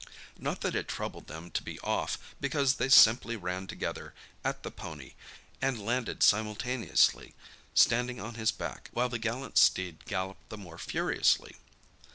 Not that it troubled them to be off, because they simply ran, together, at the pony, and landed simultaneously, standing on his back, while the gallant steed galloped the more furiously.